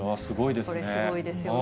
これ、すごいですよね。